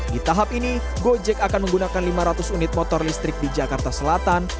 di tahap ini gojek akan menggunakan lima ratus unit motor listrik di jakarta selatan